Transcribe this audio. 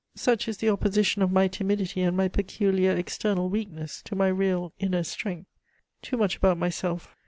Such is the opposition of my timidity and my peculiar external weakness to my real inner strength! Too much about myself.